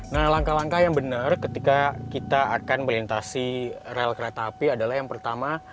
nah langkah langkah yang benar ketika kita akan melintasi rel kereta api adalah yang pertama